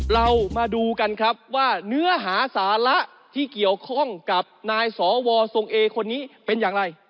เรามาดูกันครับว่าเนื้อหาสาระที่เกี่ยวข้องกับนายสวทรงเอคนนี้เป็นอย่างไร